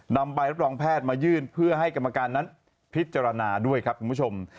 นำใบรับรองแพทย์มายื่นเพื่อให้กรรมการนั้นพิจารณาด้วยครับคุณผู้ชม